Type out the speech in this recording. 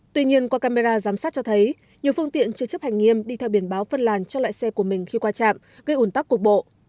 tuy nhiên qua camera giám sát cho thấy nhiều phương tiện chưa chấp hành nghiêm đi theo biển báo phân làn cho loại xe của mình khi qua trạm gây ủn tắc cục bộ